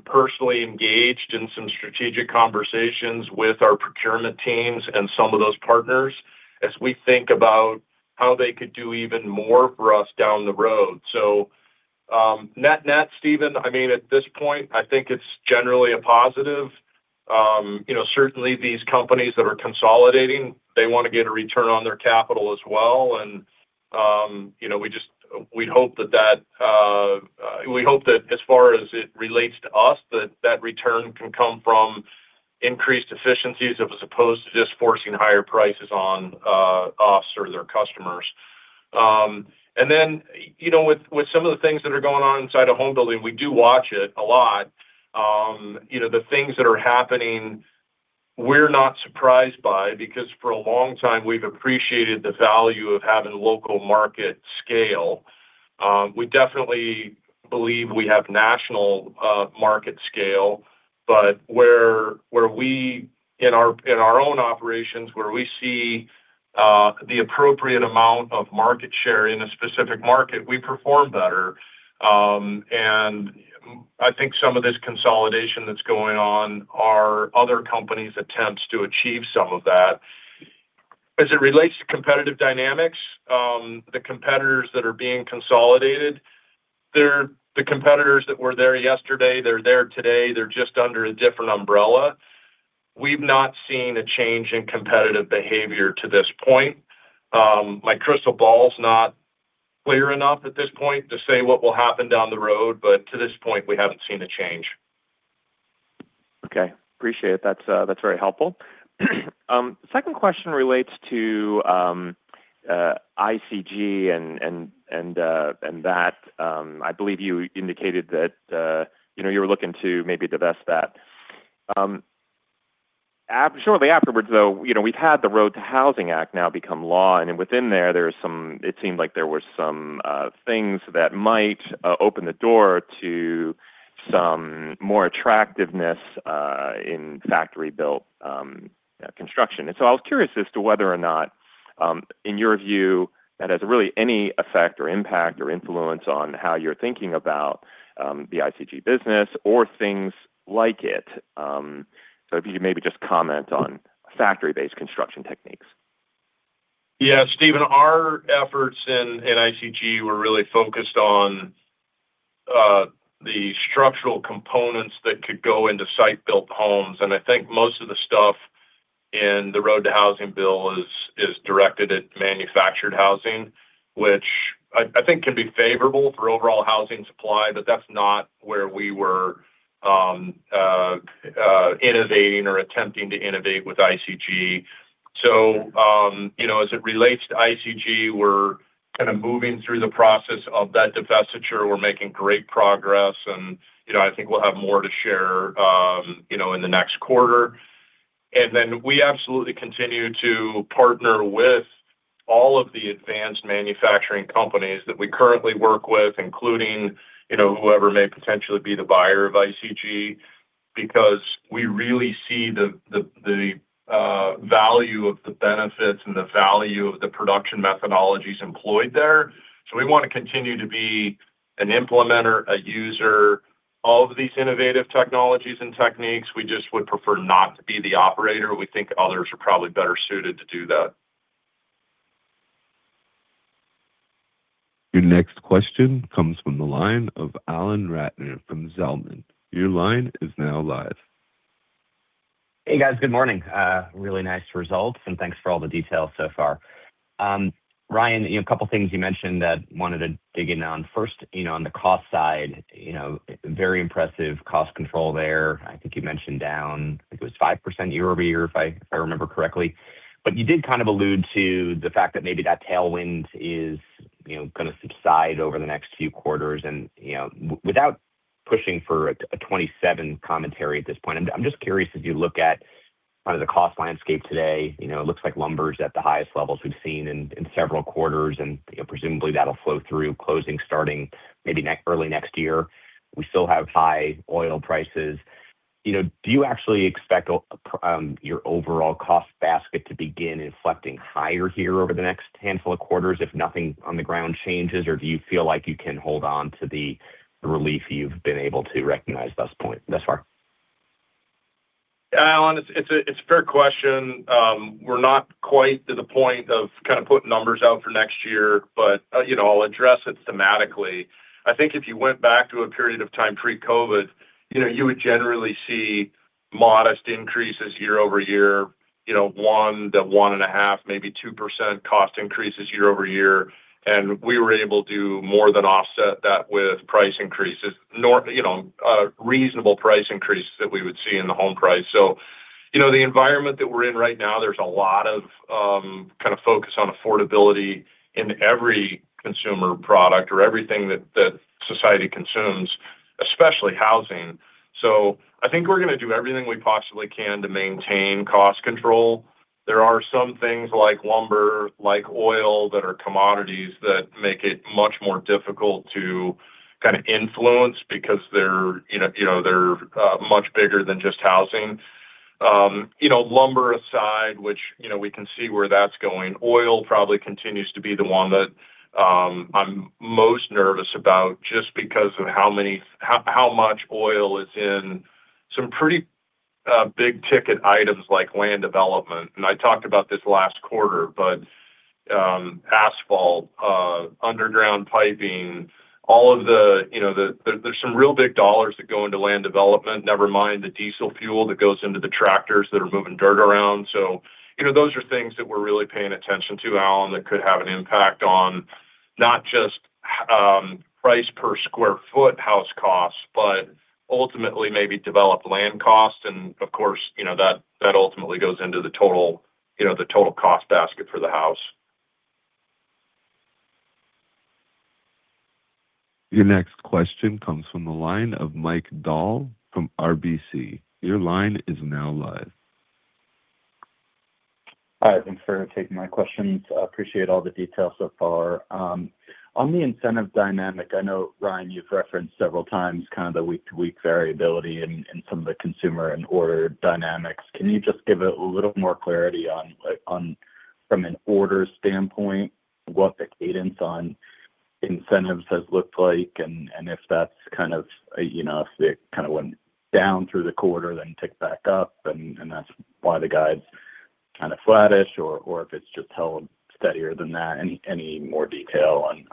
personally engaged in some strategic conversations with our procurement teams and some of those partners as we think about how they could do even more for us down the road. Net-net, Steven, at this point, I think it's generally a positive. Certainly these companies that are consolidating, they want to get a return on their capital as well. We hope that as far as it relates to us, that return can come from increased efficiencies as opposed to just forcing higher prices on us or their customers. With some of the things that are going on inside of homebuilding, we do watch it a lot. The things that are happening we're not surprised by because for a long time, we've appreciated the value of having local market scale. We definitely believe we have national market scale, but in our own operations, where we see the appropriate amount of market share in a specific market, we perform better. I think some of this consolidation that's going on are other companies' attempts to achieve some of that. As it relates to competitive dynamics, the competitors that are being consolidated, they're the competitors that were there yesterday. They're there today. They're just under a different umbrella. We've not seen a change in competitive behavior to this point. My crystal ball's not clear enough at this point to say what will happen down the road, but to this point, we haven't seen a change. Okay. Appreciate it. That's very helpful. Second question relates to ICG and that. I believe you indicated that you were looking to maybe divest that. Shortly afterwards, though, we've had the ROAD to Housing Act now become law, and within there it seemed like there were some things that might open the door to some more attractiveness in factory-built construction. I was curious as to whether or not, in your view, that has really any effect or impact or influence on how you're thinking about the ICG business or things like it. If you could maybe just comment on factory-based construction techniques. Yeah, Stephen. Our efforts in ICG were really focused on the structural components that could go into site-built homes, and I think most of the stuff in the ROAD to Housing bill is directed at manufactured housing, which I think can be favorable for overall housing supply. That's not where we were innovating or attempting to innovate with ICG. As it relates to ICG, we're kind of moving through the process of that divestiture. We're making great progress and I think we'll have more to share in the next quarter. We absolutely continue to partner with all of the advanced manufacturing companies that we currently work with, including whoever may potentially be the buyer of ICG. Because we really see the value of the benefits and the value of the production methodologies employed there. We want to continue to be an implementer, a user of these innovative technologies and techniques. We just would prefer not to be the operator. We think others are probably better suited to do that. Your next question comes from the line of Alan Ratner from Zelman. Your line is now live. Hey, guys. Good morning. Really nice results, thanks for all the details so far. Ryan, a couple things you mentioned that wanted to dig in on. First, on the cost side, very impressive cost control there. I think you mentioned down, I think it was 5% year-over-year, if I remember correctly. You did kind of allude to the fact that maybe that tailwind is going to subside over the next few quarters. Without pushing for a 2027 commentary at this point, I'm just curious as you look at the cost landscape today. It looks like lumber is at the highest levels we've seen in several quarters, and presumably that'll flow through closing starting maybe early next year. We still have high oil prices. Do you actually expect your overall cost basket to begin inflecting higher here over the next handful of quarters if nothing on the ground changes? Do you feel like you can hold on to the relief you've been able to recognize thus far? Alan, it's a fair question. We're not quite to the point of putting numbers out for next year, but I'll address it thematically. I think if you went back to a period of time pre-COVID, you would generally see modest increases year-over-year. One, one and a half, maybe 2% cost increases year-over-year, and we were able to more than offset that with price increases. Reasonable price increases that we would see in the home price. The environment that we're in right now, there's a lot of focus on affordability in every consumer product or everything that society consumes, especially housing. I think we're going to do everything we possibly can to maintain cost control. There are some things like lumber, like oil, that are commodities that make it much more difficult to influence because they're much bigger than just housing. Lumber aside, which we can see where that's going. Oil probably continues to be the one that I'm most nervous about just because of how much oil is in some pretty big-ticket items like land development. I talked about this last quarter, but asphalt, underground piping. There's some real big dollars that go into land development, never mind the diesel fuel that goes into the tractors that are moving dirt around. Those are things that we're really paying attention to, Alan, that could have an impact on not just price per square foot house costs, but ultimately maybe developed land cost. Of course, that ultimately goes into the total cost basket for the house. Your next question comes from the line of Mike Dahl from RBC. Your line is now live. Hi, thanks for taking my questions. Appreciate all the details so far. On the incentive dynamic, I know, Ryan, you've referenced several times the week-to-week variability in some of the consumer and order dynamics. Can you just give a little more clarity from an order standpoint what the cadence on incentives has looked like? If that went down through the quarter, then ticked back up, and that's why the guide's kind of flattish, or if it's just held steadier than that. Any more detail on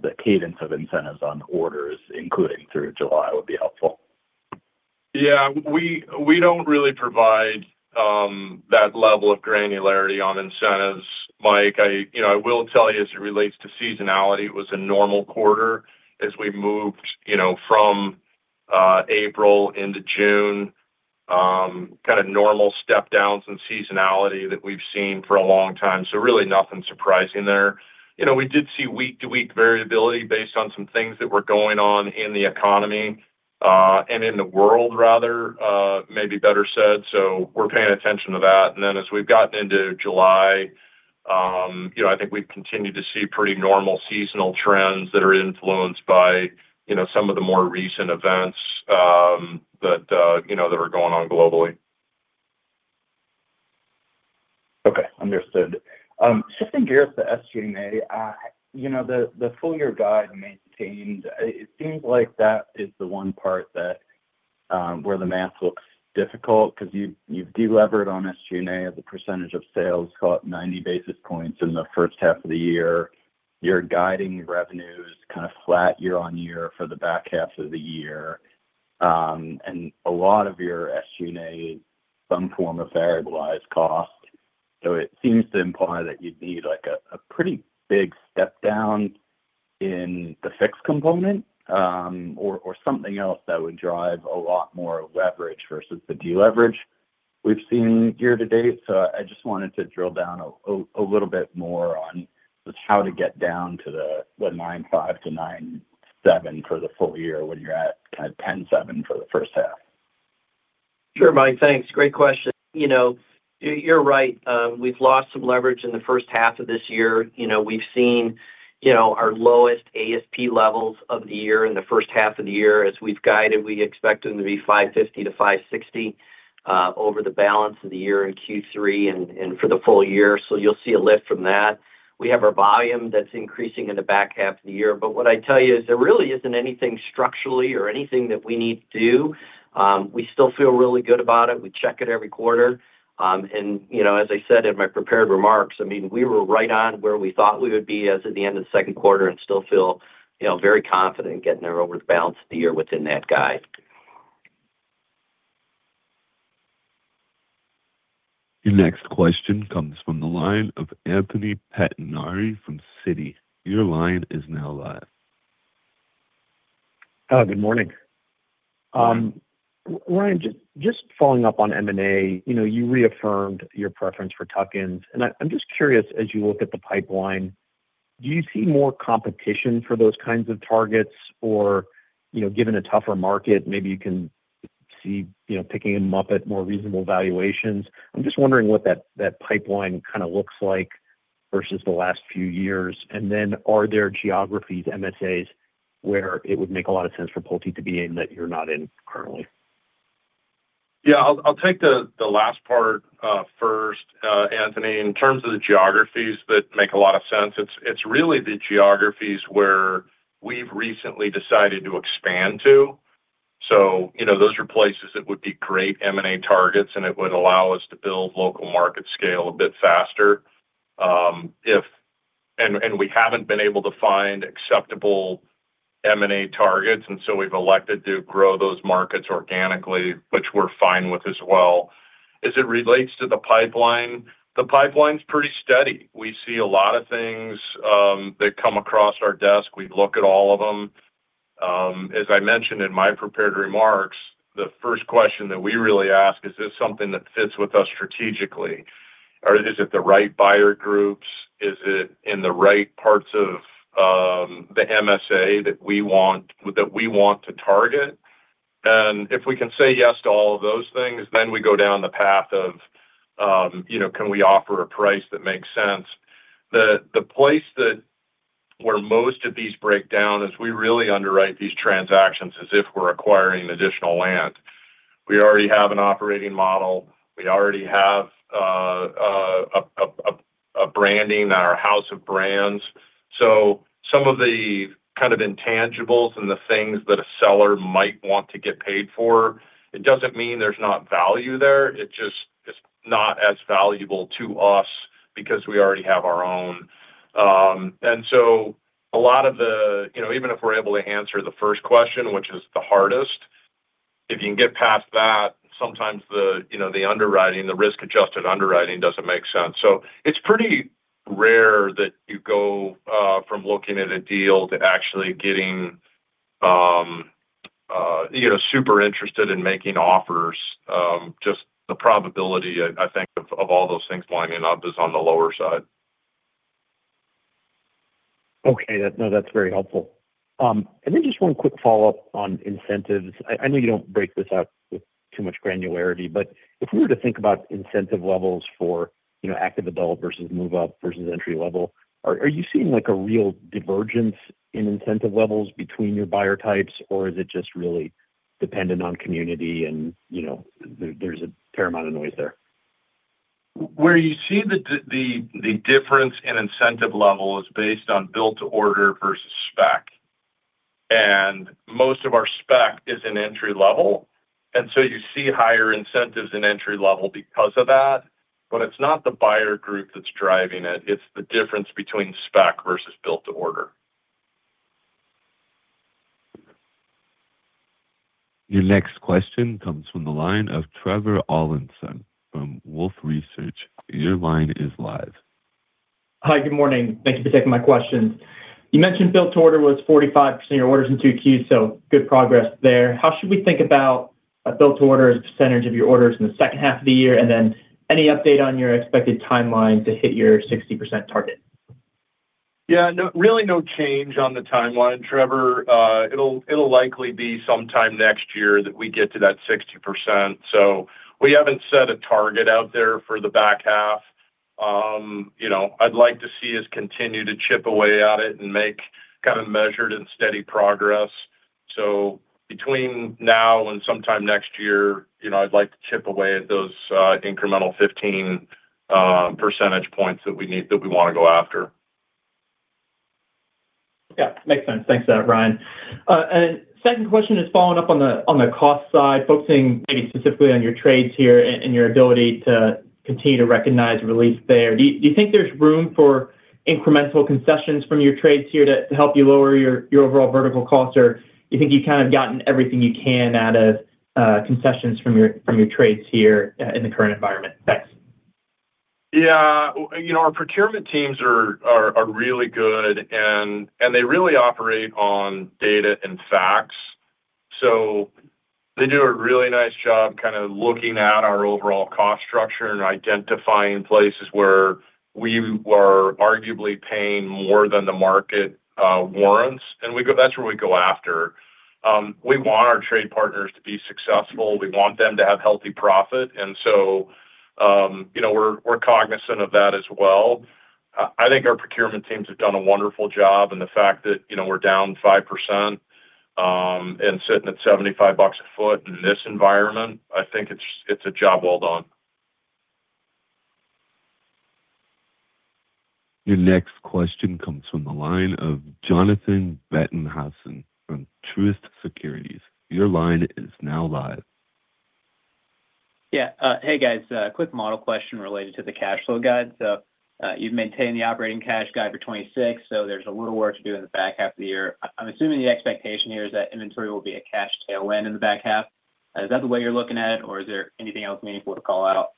the cadence of incentives on orders, including through July, would be helpful. Yeah. We don't really provide that level of granularity on incentives, Mike. I will tell you, as it relates to seasonality, it was a normal quarter as we moved from April into June. Normal step downs and seasonality that we've seen for a long time. Really nothing surprising there. We did see week-to-week variability based on some things that were going on in the economy, and in the world rather, may be better said. We're paying attention to that. As we've gotten into July, I think we've continued to see pretty normal seasonal trends that are influenced by some of the more recent events that are going on globally. Okay. Understood. Shifting gears to SG&A. The full year guide maintained, it seems like that is the one part where the math looks difficult because you've delevered on SG&A as a percentage of sales, call it 90 basis points in the first half of the year. You're guiding revenues flat year-over-year for the back half of the year. A lot of your SG&A, some form of variable is cost. It seems to imply that you'd need a pretty big step down in the fixed component or something else that would drive a lot more leverage versus the deleverage we've seen year to date. I just wanted to drill down a little bit more on just how to get down to the 9.5%-9.7% for the full year when you're at 10.7% for the first half. Sure, Mike, thanks. Great question. You're right. We've lost some leverage in the first half of this year. We've seen our lowest ASP levels of the year in the first half of the year. As we've guided, we expect them to be $550,000 to $560,000 over the balance of the year in Q3 and for the full year. You'll see a lift from that. We have our volume that's increasing in the back half of the year. What I'd tell you is there really isn't anything structurally or anything that we need to do. We still feel really good about it. We check it every quarter As I said in my prepared remarks, we were right on where we thought we would be as of the end of the second quarter and still feel very confident getting there over the balance of the year within that guide. Your next question comes from the line of Anthony Pettinari from Citi. Your line is now live. Good morning. Ryan, just following up on M&A, you reaffirmed your preference for tuck-ins. I'm just curious, as you look at the pipeline, do you see more competition for those kinds of targets? Given a tougher market, maybe you can see picking them up at more reasonable valuations. I'm just wondering what that pipeline kind of looks like versus the last few years. Then are there geographies, MSAs, where it would make a lot of sense for Pulte to be in that you're not in currently? Yeah, I'll take the last part first, Anthony. In terms of the geographies that make a lot of sense, it's really the geographies where we've recently decided to expand to. Those are places that would be great M&A targets, and it would allow us to build local market scale a bit faster. We haven't been able to find acceptable M&A targets, and so we've elected to grow those markets organically, which we're fine with as well. As it relates to the pipeline, the pipeline's pretty steady. We see a lot of things that come across our desk. We look at all of them. As I mentioned in my prepared remarks, the first question that we really ask, is this something that fits with us strategically? Is it the right buyer groups? Is it in the right parts of the MSA that we want to target? If we can say yes to all of those things, then we go down the path of can we offer a price that makes sense? The place where most of these break down is we really underwrite these transactions as if we're acquiring additional land. We already have an operating model. We already have a branding and our house of brands. Some of the kind of intangibles and the things that a seller might want to get paid for, it doesn't mean there's not value there. It's just not as valuable to us because we already have our own. Even if we're able to answer the first question, which is the hardest, if you can get past that, sometimes the underwriting, the risk-adjusted underwriting doesn't make sense. It's pretty rare that you go from looking at a deal to actually getting super interested in making offers. Just the probability, I think, of all those things lining up is on the lower side. Okay. No, that's very helpful. Just one quick follow-up on incentives. I know you don't break this out with too much granularity, but if we were to think about incentive levels for active adult versus move-up versus entry level, are you seeing a real divergence in incentive levels between your buyer types, or is it just really dependent on community and there's a fair amount of noise there? Where you see the difference in incentive level is based on build-to-order versus spec. Most of our spec is in entry level. You see higher incentives in entry level because of that. It's not the buyer group that's driving it's the difference between spec versus build-to-order. Your next question comes from the line of Trevor Allinson from Wolfe Research. Your line is live. Hi, good morning. Thank you for taking my questions. You mentioned build-to-order was 45% of your orders in 2Q, so good progress there. How should we think about a build-to-order as a percentage of your orders in the second half of the year? Any update on your expected timeline to hit your 60% target? Yeah. Really no change on the timeline, Trevor. It'll likely be sometime next year that we get to that 60%. We haven't set a target out there for the back half. I'd like to see us continue to chip away at it and make kind of measured and steady progress. Between now and sometime next year, I'd like to chip away at those incremental 15 percentage points that we want to go after. Yeah, makes sense. Thanks for that, Ryan. Second question is following up on the cost side, focusing maybe specifically on your trades here and your ability to continue to recognize relief there. Do you think there's room for incremental concessions from your trades here to help you lower your overall vertical cost, or you think you've kind of gotten everything you can out of concessions from your trades here in the current environment? Thanks. Yeah. Our procurement teams are really good, and they really operate on data and facts. They do a really nice job kind of looking at our overall cost structure and identifying places where we were arguably paying more than the market warrants. That's where we go after. We want our trade partners to be successful. We want them to have healthy profit. We're cognizant of that as well. I think our procurement teams have done a wonderful job, and the fact that we're down 5% and sitting at $75 a foot in this environment, I think it's a job well done. Your next question comes from the line of Jonathan Bettenhausen from Truist Securities. Your line is now live. Yeah. Hey, guys. A quick model question related to the cash flow guide. You've maintained the operating cash guide for 2026, there's a little work to do in the back half of the year. I'm assuming the expectation here is that inventory will be a cash tailwind in the back half. Is that the way you're looking at it, or is there anything else meaningful to call out?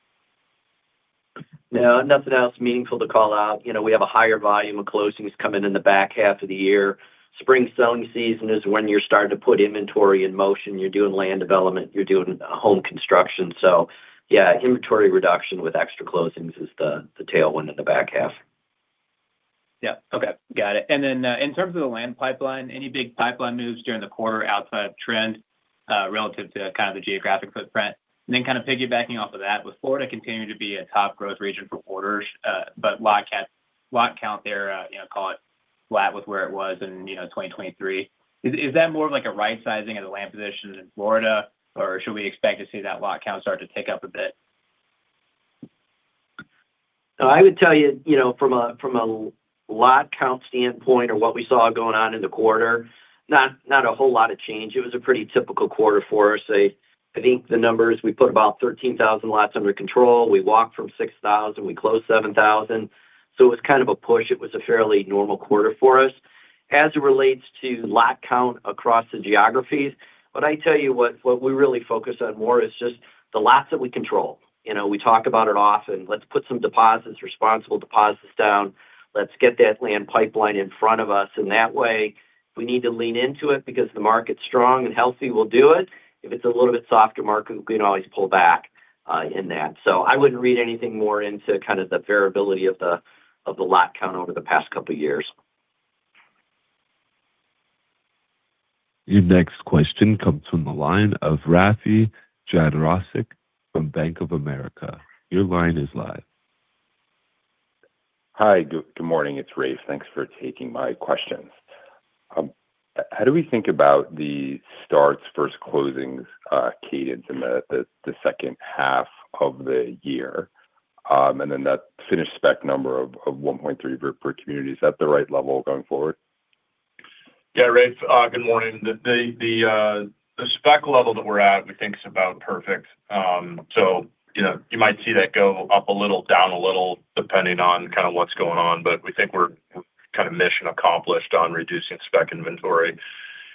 No, nothing else meaningful to call out. We have a higher volume of closings coming in the back half of the year. Spring selling season is when you're starting to put inventory in motion. You're doing land development, you're doing home construction. Yeah, inventory reduction with extra closings is the tailwind in the back half. Yeah. Okay. Got it. In terms of the land pipeline, any big pipeline moves during the quarter outside of trend, relative to kind of the geographic footprint? Kind of piggybacking off of that, with Florida continuing to be a top growth region for quarters, lot count there, call it flat with where it was in 2023. Is that more of a right sizing of the land position in Florida, or should we expect to see that lot count start to tick up a bit? I would tell you, from a lot count standpoint or what we saw going on in the quarter, not a whole lot of change. It was a pretty typical quarter for us. I think the numbers, we put about 13,000 lots under control. We locked from 6,000, we closed 7,000. It was kind of a push. It was a fairly normal quarter for us. As it relates to lot count across the geographies, what I tell you what we really focus on more is just the lots that we control. We talk about it often. "Let's put some deposits, responsible deposits down. Let's get that land pipeline in front of us." That way, we need to lean into it because the market's strong and healthy, we'll do it. If it's a little bit softer market, we can always pull back in that. I wouldn't read anything more into kind of the variability of the lot count over the past couple of years. Your next question comes from the line of Rafe Jadrosich from Bank of America. Your line is live. Hi. Good morning. It's Rafe. Thanks for taking my questions. How do we think about the starts versus closings cadence in the second half of the year, and then that finished spec number of 1.3 per community, is that the right level going forward? Yeah. Rafe, good morning. The spec level that we're at we think is about perfect. You might see that go up a little, down a little, depending on kind of what's going on, but we think we're kind of mission accomplished on reducing spec inventory.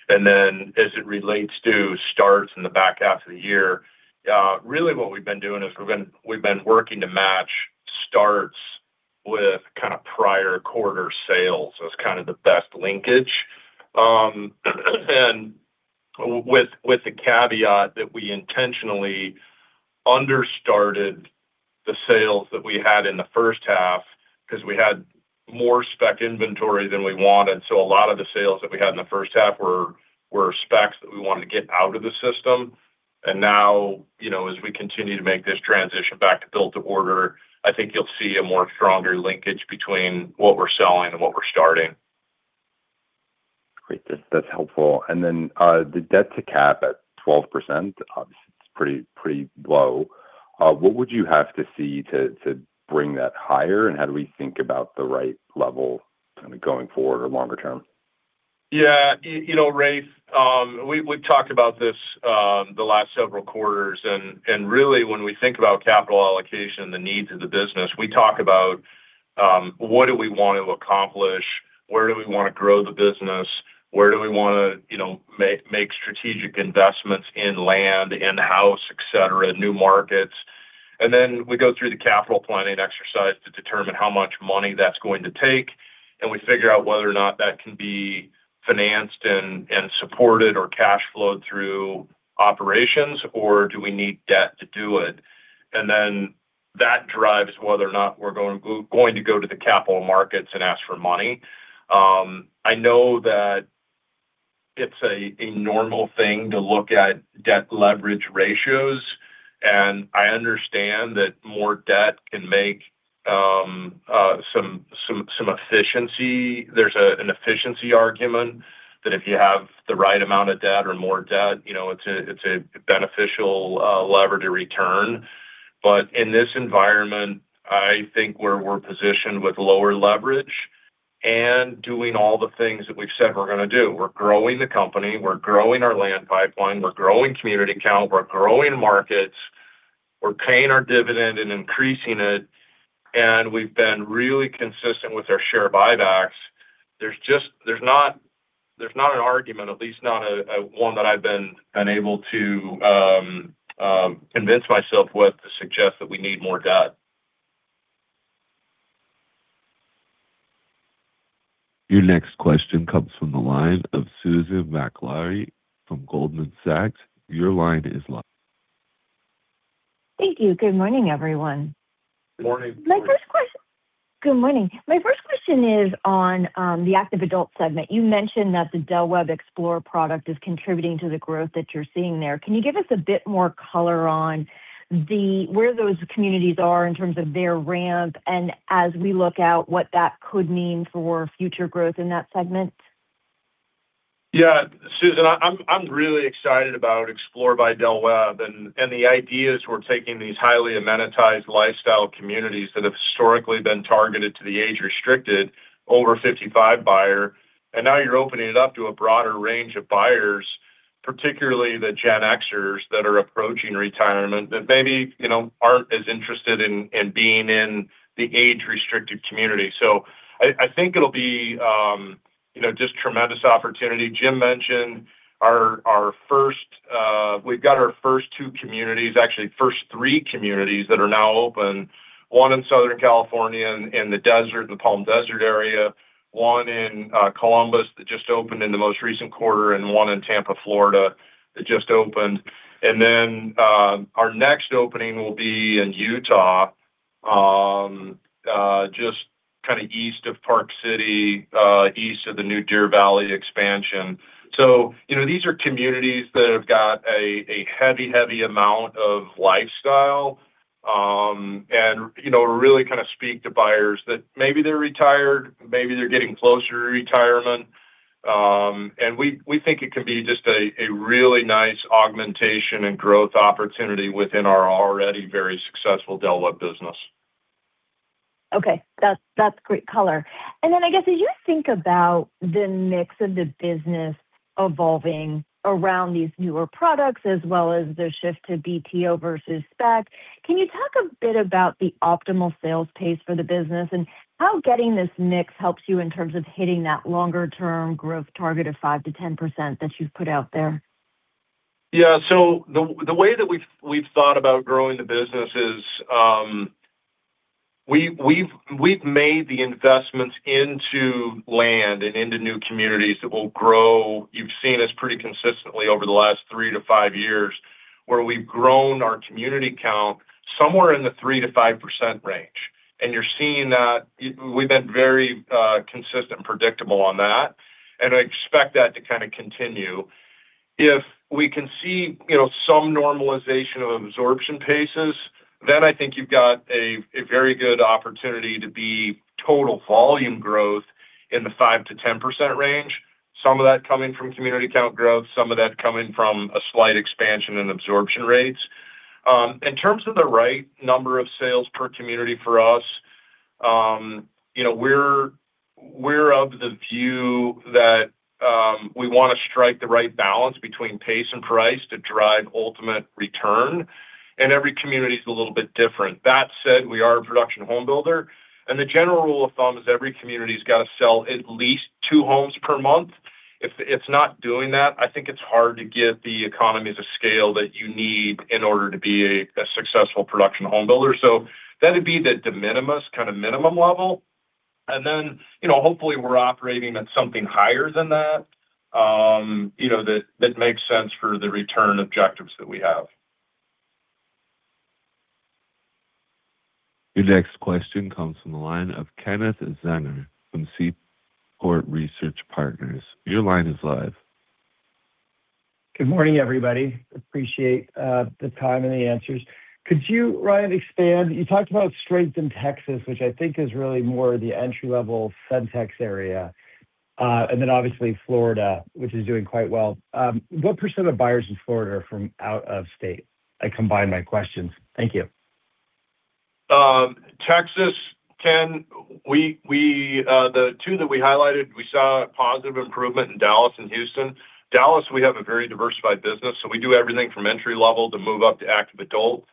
As it relates to starts in the back half of the year, really what we've been doing is we've been working to match starts with prior quarter sales as kind of the best linkage. With the caveat that we intentionally under started the sales that we had in the first half because we had more spec inventory than we wanted. A lot of the sales that we had in the first half were specs that we wanted to get out of the system. Now, as we continue to make this transition back to build-to-order, I think you'll see a more stronger linkage between what we're selling and what we're starting. Great. That's helpful. The debt to cap at 12%, obviously, it's pretty low. What would you have to see to bring that higher, and how do we think about the right level going forward or longer term? Yeah. Rafe, we've talked about this the last several quarters. Really when we think about capital allocation and the needs of the business, we talk about what do we want to accomplish, where do we want to grow the business, where do we want to make strategic investments in land, in house, et cetera, new markets. We go through the capital planning exercise to determine how much money that's going to take, and we figure out whether or not that can be financed and supported or cash flowed through operations, or do we need debt to do it. That drives whether or not we're going to go to the capital markets and ask for money. I know that it's a normal thing to look at debt leverage ratios, and I understand that more debt can make some efficiency. There's an efficiency argument that if you have the right amount of debt or more debt, it's a beneficial leverage to return. In this environment, I think we're positioned with lower leverage and doing all the things that we've said we're going to do. We're growing the company, we're growing our land pipeline, we're growing community count, we're growing markets, we're paying our dividend and increasing it, and we've been really consistent with our share buybacks. There's not an argument, at least not one that I've been unable to convince myself with, to suggest that we need more debt. Your next question comes from the line of Susan Maklari from Goldman Sachs. Your line is live. Thank you. Good morning, everyone. Morning. Good morning. My first question is on the active adult segment. You mentioned that the Explore by Del Webb product is contributing to the growth that you're seeing there. Can you give us a bit more color on where those communities are in terms of their ramp and as we look out what that could mean for future growth in that segment? Susan, I'm really excited about Explore by Del Webb. The idea is we're taking these highly amenitized lifestyle communities that have historically been targeted to the age-restricted over-55 buyer, and now you're opening it up to a broader range of buyers, particularly the Gen Xers that are approaching retirement that maybe aren't as interested in being in the age-restricted community. I think it'll be just tremendous opportunity. Jim mentioned we've got our first two communities, actually, first three communities that are now open, one in Southern California in the Palm Desert area, one in Columbus that just opened in the most recent quarter, and one in Tampa, Florida, that just opened. Then our next opening will be in Utah, just kind of east of Park City, east of the new Deer Valley expansion. These are communities that have got a heavy amount of lifestyle, really kind of speak to buyers that maybe they're retired, maybe they're getting closer to retirement. We think it can be just a really nice augmentation and growth opportunity within our already very successful Del Webb business. Okay. That's great color. I guess as you think about the mix of the business evolving around these newer products as well as the shift to BTO versus spec, can you talk a bit about the optimal sales pace for the business and how getting this mix helps you in terms of hitting that longer term growth target of 5%-10% that you've put out there? Yeah. The way that we've thought about growing the business is we've made the investments into land and into new communities that will grow. You've seen us pretty consistently over the last three to five years, where we've grown our community count somewhere in the 3%-5% range. You're seeing that we've been very consistent and predictable on that, and I expect that to kind of continue. If we can see some normalization of absorption paces, I think you've got a very good opportunity to be total volume growth in the 5%-10% range. Some of that coming from community count growth, some of that coming from a slight expansion in absorption rates. In terms of the right number of sales per community for us, we're of the view that we want to strike the right balance between pace and price to drive ultimate return, every community's a little bit different. That said, we are a production home builder, the general rule of thumb is every community's got to sell at least two homes per month. If it's not doing that, I think it's hard to get the economies of scale that you need in order to be a successful production home builder. That would be the de minimis kind of minimum level. Hopefully we're operating at something higher than that makes sense for the return objectives that we have. Your next question comes from the line of Kenneth Zener from Seaport Research Partners. Your line is live. Good morning, everybody. Appreciate the time and the answers. Could you, Ryan, expand, you talked about strength in Texas, which I think is really more the entry-level Centex area. Obviously Florida, which is doing quite well. What percent of buyers in Florida are from out of state? I combined my questions. Thank you. Texas, Ken, the two that we highlighted, we saw a positive improvement in Dallas and Houston. Dallas, we have a very diversified business, so we do everything from entry-level to move-up to active adult.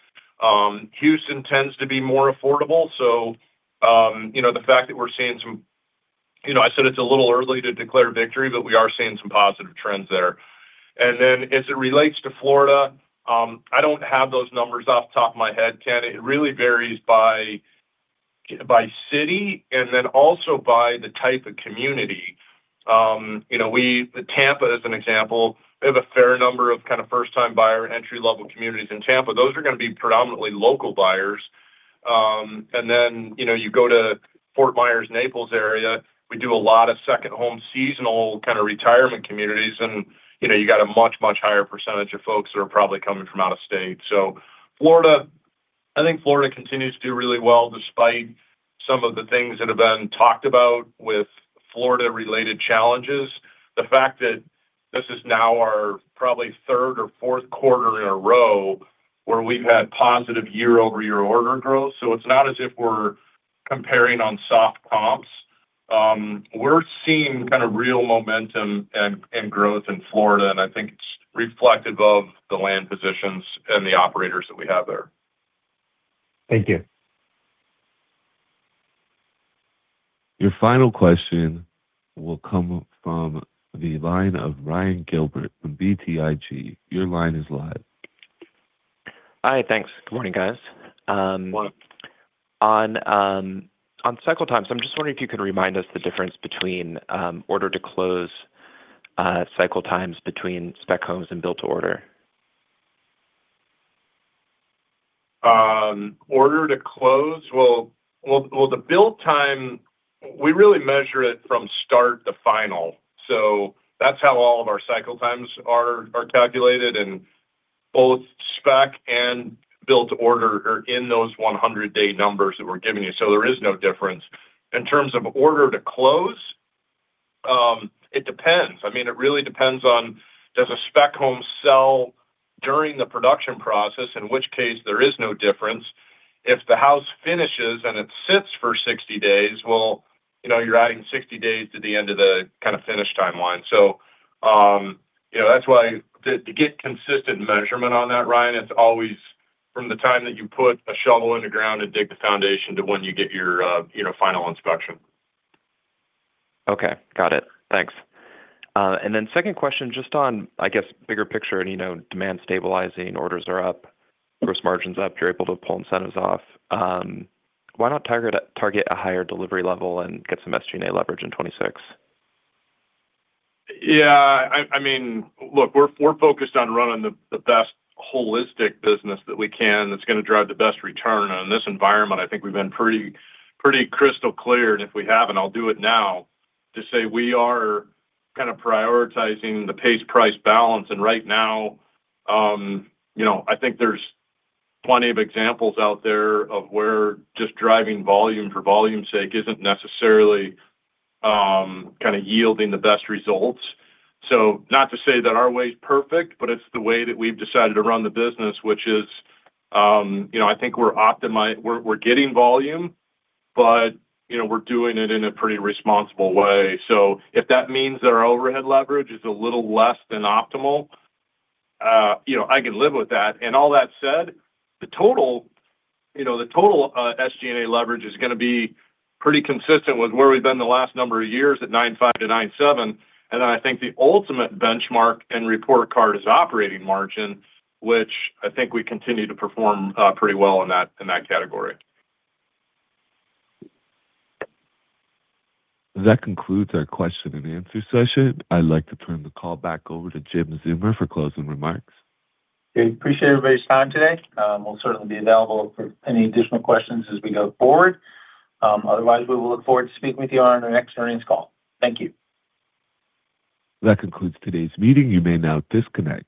Houston tends to be more affordable. The fact that we're seeing I said it's a little early to declare victory, but we are seeing some positive trends there. As it relates to Florida, I don't have those numbers off the top of my head, Ken. It really varies by city and then also by the type of community. Tampa, as an example, they have a fair number of kind of first-time buyer and entry-level communities in Tampa. Those are going to be predominantly local buyers. You go to Fort Myers, Naples area, we do a lot of second home seasonal kind of retirement communities, and you got a much higher percentage of folks that are probably coming from out of state. I think Florida continues to do really well despite some of the things that have been talked about with Florida-related challenges. The fact that this is now our probably third or fourth quarter in a row where we've had positive year-over-year order growth. It's not as if we're comparing on soft comps. We're seeing kind of real momentum and growth in Florida, and I think it's reflective of the land positions and the operators that we have there. Thank you. Your final question will come from the line of Ryan Gilbert from BTIG. Your line is live. Hi, thanks. Good morning, guys. Good morning. On cycle times, I'm just wondering if you could remind us the difference between order to close cycle times between spec homes and build-to-order. Order to close. Well, the build time, we really measure it from start to final. That's how all of our cycle times are calculated. Both spec and build-to-order are in those 100-day numbers that we're giving you, there is no difference. In terms of order to close, it depends. It really depends on, does a spec home sell during the production process, in which case there is no difference. If the house finishes and it sits for 60 days, well, you're adding 60 days to the end of the finished timeline. To get consistent measurement on that, Ryan, it's always from the time that you put a shovel in the ground and dig the foundation to when you get your final inspection. Okay. Got it. Thanks. Then second question just on, I guess, bigger picture and demand stabilizing, orders are up, gross margin's up, you're able to pull incentives off. Why not target a higher delivery level and get some SG&A leverage in 2026? Yeah. Look, we're focused on running the best holistic business that we can that's going to drive the best return. In this environment, I think we've been pretty crystal clear, and if we haven't, I'll do it now to say we are prioritizing the pace price balance. Right now, I think there's plenty of examples out there of where just driving volume for volume's sake isn't necessarily yielding the best results. Not to say that our way is perfect, but it's the way that we've decided to run the business, which is, I think we're getting volume, but we're doing it in a pretty responsible way. If that means that our overhead leverage is a little less than optimal, I can live with that. All that said, the total SG&A leverage is going to be pretty consistent with where we've been the last number of years at 9.5%-9.7%. Then I think the ultimate benchmark and report card is operating margin, which I think we continue to perform pretty well in that category. That concludes our question and answer session. I'd like to turn the call back over to Jim Zeumer for closing remarks. Okay. Appreciate everybody's time today. We'll certainly be available for any additional questions as we go forward. Otherwise, we will look forward to speaking with you on our next earnings call. Thank you. That concludes today's meeting. You may now disconnect.